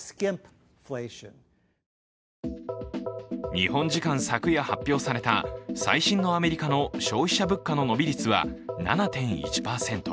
日本時間昨夜発表された最新のアメリカの消費者物価の伸び率は７．１％。